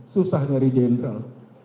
susah nyari jenderal